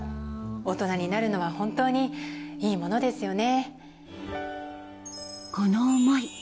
大人になるのは本当にいいものですよね」。